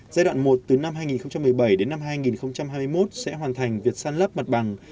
giai đoạn một từ năm hai nghìn một mươi bảy đến năm hai nghìn hai mươi một sẽ hoàn thành việc săn lấp mặt bằng